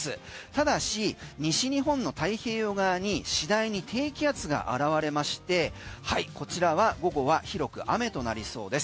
ただし西日本の太平洋側に次第に低気圧が現れましてこちらは午後は広く雨となりそうです。